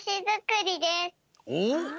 おっ！